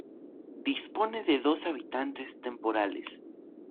Dispone de dos habitantes temporales.